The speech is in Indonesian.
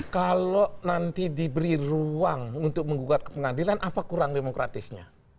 kalau nanti diberi ruang untuk menggugat ke pengadilan apa kurang demokratisnya